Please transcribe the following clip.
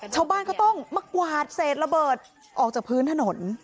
ชาวบ้านก็ต้องมากวาดเศษระเบิดออกจากพื้นถนน